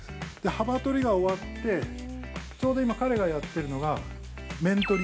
幅取りが終わって、ちょうど今彼がやってるのはが面取り。